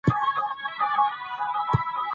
هوا د افغانستان د بڼوالۍ برخه ده.